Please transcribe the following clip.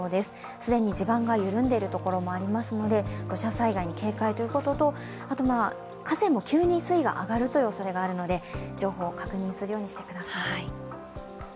既に地盤が緩んでいる所もありますので土砂災害に警戒ということと、河川も急に水位が上がるおそれがあるので情報を確認するようにしてください。